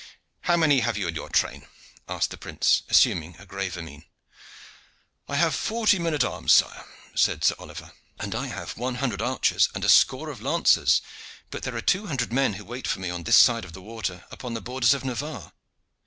"How many have you in your train?" asked the prince, assuming a graver mien. "I have forty men at arms, sire," said Sir Oliver. "And I have one hundred archers and a score of lancers, but there are two hundred men who wait for me on this side of the water upon the borders of Navarre."